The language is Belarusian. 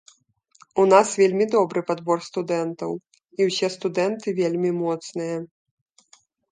У нас вельмі добры падбор студэнтаў, і ўсе студэнты вельмі моцныя.